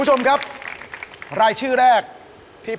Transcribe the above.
หมายเลข๓ค่ะ